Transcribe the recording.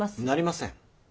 なりません。